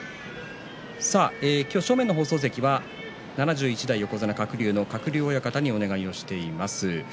正面の放送席は７１代横綱の鶴竜親方にお願いしています。